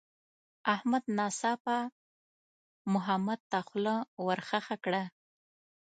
احمد ناڅاپه محمد ته خوله ورخښه کړه.